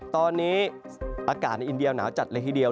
ตอนนี้อากาศในอินเดียหนาวจัดเลยทีเดียว